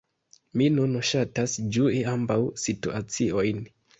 Mi nun ŝatas ĝui ambaŭ situaciojn.